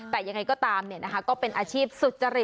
แต่ยังไงก็ตามเนี่ยนะคะก็เป็นอาชีพสุจริต